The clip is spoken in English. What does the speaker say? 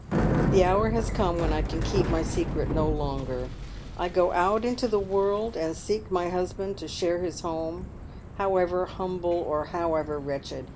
" The hour has come when I can keep my secret no longer. I go out into the world to seek my husband, to share his home, however humble or however wretched.